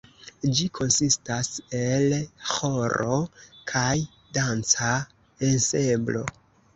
Ĝi konsistas el ĥoro kaj danca ensemblo.